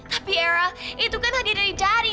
tapi era itu kan hadiah dari jari